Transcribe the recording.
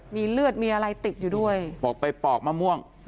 มีเลือดมีอะไรติดอยู่ด้วยบอกไปปอกมะม่วง